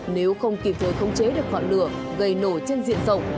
nếu không kịp thời thông chế được họa lửa gây nổ trên diện rộng